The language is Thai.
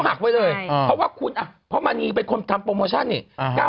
เพราะว่าคุณอ่ะเพราะมันนี่เป็นคนทำโปรโมชั่นนี่๙๓